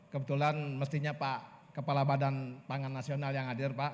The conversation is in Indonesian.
kebetulan mestinya pak kepala badan pangan nasional yang hadir pak